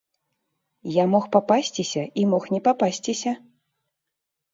Я мог папасціся і мог не папасціся.